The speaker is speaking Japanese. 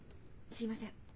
すいません。